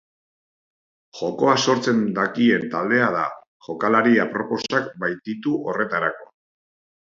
Jokoa sortzen dakien taldea da, jokalari aproposak baititu horretarako.